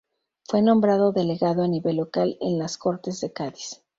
Fue nombrado delegado a nivel local en las Cortes de Cádiz.